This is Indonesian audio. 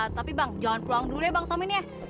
tapi bang jangan pulang dulu ya bang somin ya